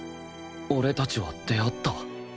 俺たちは出会った？